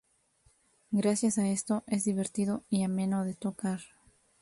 Gracias a esto, es divertido y ameno de tocar.